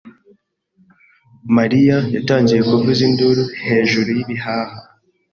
Mariya yatangiye kuvuza induru hejuru y'ibihaha.